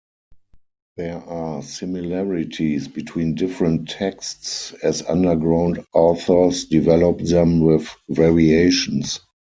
There are similarities between different texts as underground authors developed them with variations.